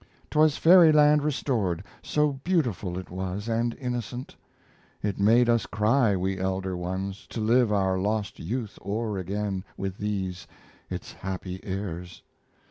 'Twas fairyland restored so beautiful it was And innocent. It made us cry, we elder ones, To live our lost youth o'er again With these its happy heirs.